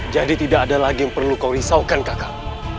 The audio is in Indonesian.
jadi tidak ada lagi yang perlu kau risaukan kakak